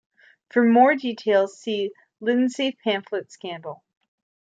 For more details see Lindsay pamphlet scandal.